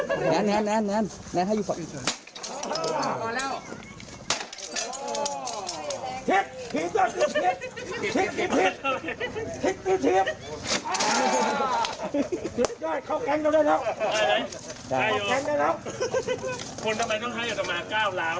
คนทำไมต้องให้อาจารย์มาก้าวราวด้วย